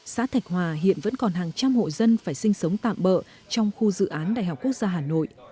xã thạch hòa hiện vẫn còn hàng trăm hộ dân phải sinh sống tạm bỡ trong khu dự án đại học quốc gia hà nội